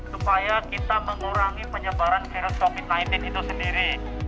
supaya kita mengurangi penyebaran virus covid sembilan belas itu sendiri